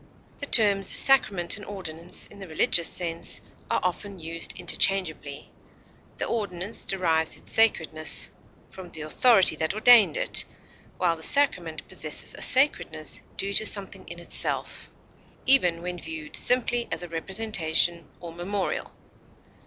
The terms sacrament and ordinance, in the religious sense, are often used interchangeably; the ordinance derives its sacredness from the authority that ordained it, while the sacrament possesses a sacredness due to something in itself, even when viewed simply as a representation or memorial.